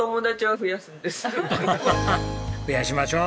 増やしましょう。